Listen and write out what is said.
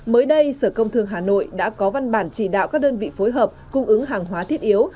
mới đây sở công thương hà nội đã có văn bản chỉ đạo các đơn vị phối hợp cung ứng hàng hóa thiết yếu